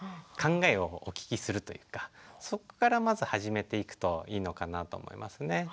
考えをお聞きするというかそこからまず始めていくといいのかなと思いますね。